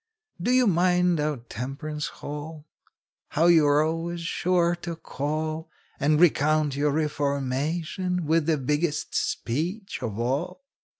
Do you mind our temperance hall? How you're always sure to call, And recount your reformation with the biggest speech of all?